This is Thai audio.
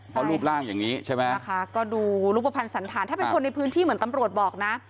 เพราะรูปร่างอย่างนี้ใช่ไหมนะคะก็ดูรูปภัณฑ์สันธารถ้าเป็นคนในพื้นที่เหมือนตำรวจบอกนะ